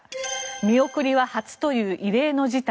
見送りは初という異例の事態。